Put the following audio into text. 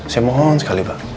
saya mohon sekali pak